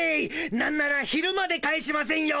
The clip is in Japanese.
なんなら昼まで帰しませんよ。